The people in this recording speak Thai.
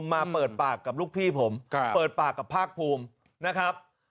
มาเปิดปากกับลูกพี่ผมเปิดปากกับภาคภูมินะครับ